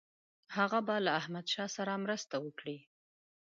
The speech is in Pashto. هغه به له احمدشاه سره مرسته وکړي.